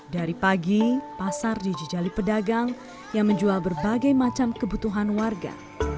dari pagi pasar dijejali pedagang yang menjual berbagai macam kebutuhan warga